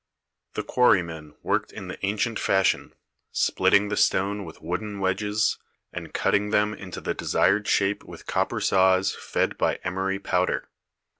The quarrymen worked in the ancient io THE SEyEN WONDERS fashion, splitting the stone with wooden wedges, and cutting them into the desired shape with cop per saws fed by emory powder.